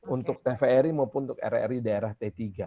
untuk tvri maupun untuk rri daerah t tiga